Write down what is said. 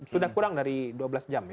sudah kurang dari dua belas jam ya